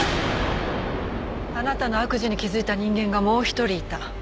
あなたの悪事に気づいた人間がもう１人いた。